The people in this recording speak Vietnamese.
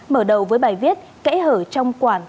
mở đầu với bài viết cãy hở trong quản